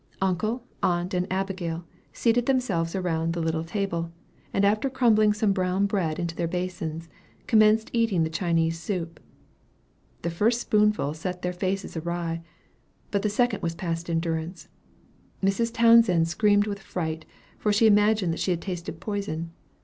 Uncle, aunt, and Abigail, seated themselves around the little table, and after crumbling some brown bread into their basins, commenced eating the Chinese soup. The first spoonful set their faces awry, but the second was past endurance; and Mrs. Townsend screamed with fright, for she imagined that she had tasted poison.